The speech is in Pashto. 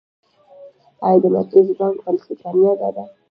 آیا د مرکزي بانک پالیسي کامیابه ده؟